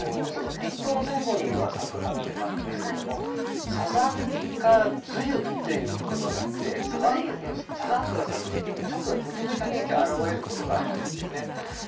立冬の前後に咲く花でもありますけれども、サザンカ梅雨っていうことばがあって、サザンカが咲く時期に、ちょっとぐずついた天気が現れることがあるんですよね。